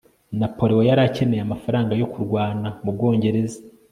napoleon yari akeneye amafaranga yo kurwana nu bwongereza